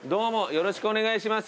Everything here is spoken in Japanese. よろしくお願いします。